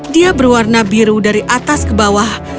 dia berwarna biru dari atas ke bawah